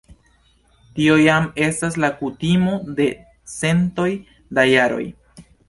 Tio jam estas la kutimo de centoj da jaroj.